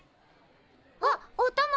あっおたま。